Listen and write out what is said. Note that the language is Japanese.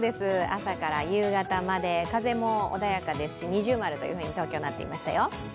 朝から夕方まで風も穏やかで二重丸というふうになってましたよ。